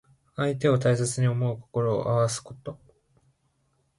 相手を大切に思う心をあらわす語。